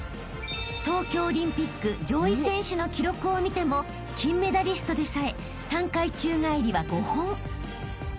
［東京オリンピック上位選手の記録を見ても金メダリストでさえ３回宙返りは５本］